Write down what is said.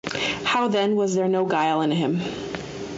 How then was there no guile in him?